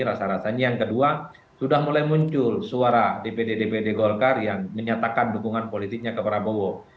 rasa rasanya yang kedua sudah mulai muncul suara dpd dpd golkar yang menyatakan dukungan politiknya ke prabowo